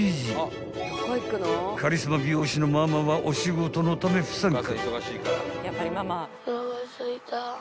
［カリスマ美容師のママはお仕事のため不参加］